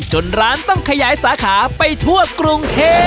จนร้านต้องขยายสาขาไปทั่วกรุงเทพ